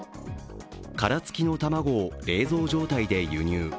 殻付きの卵を冷蔵状態で輸入。